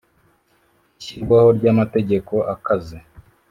ishyirwaho ry’amategeko akaze